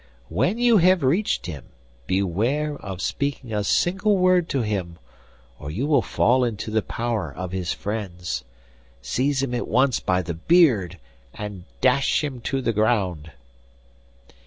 'When you have reached him, beware of speaking a single word to him, or you will fall into the power of his friends. Seize him at once by the beard and dash him to the ground.